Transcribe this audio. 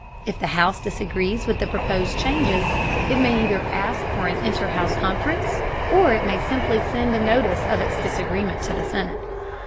If the House disagrees with the proposed changes, it may either ask for an inter house conference, or it may simply send a notice of its disagreement to the Senate.